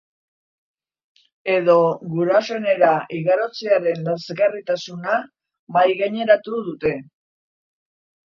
Edo gurasoenera igarotzearen lazgarritasuna mahaigaineratu dute.